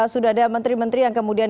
sudah ada menteri menteri yang kemudian